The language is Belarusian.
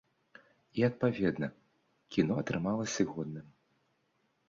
І, адпаведна, кіно атрымалася годным.